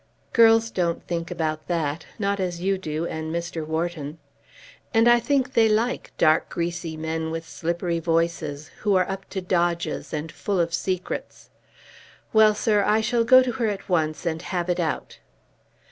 "Girls don't think about that, not as you do and Mr. Wharton. And I think they like dark, greasy men with slippery voices, who are up to dodges and full of secrets. Well, sir, I shall go to her at once and have it out."